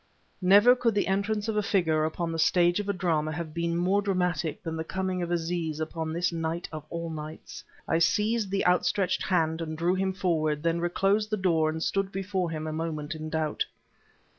Never could the entrance of a figure upon the stage of a drama have been more dramatic than the coming of Aziz upon this night of all nights. I seized the outstretched hand and drew him forward, then reclosed the door and stood before him a moment in doubt.